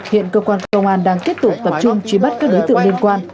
hiện cơ quan công an đang tiếp tục tập trung trí bắt các đối tượng liên quan